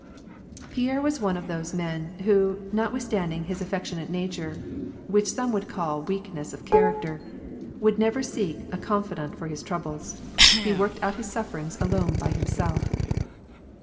" Pierre was one of those men, who, notwithstanding his affec tionate nature, which some would call weakness of character, would never seek a confidant for his troubles. He worked out his sufferings alone by himself.